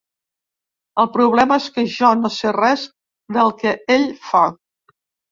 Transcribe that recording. El problema és que jo no sé res del que ell fa.